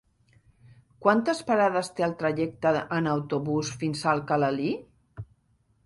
Quantes parades té el trajecte en autobús fins a Alcalalí?